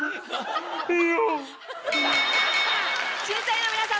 審査員の皆さん